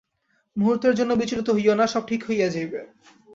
মুহূর্তের জন্যও বিচলিত হইও না, সব ঠিক হইয়া যাইবে।